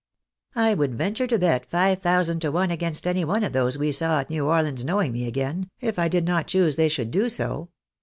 I would venture to bet five thousand to one against any one of those we saw at New Orleans knowing me again, if I did not choose they should do so.